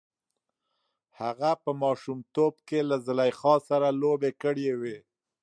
هغه په ماشومتوب کې له زلیخا سره لوبې کړې وې.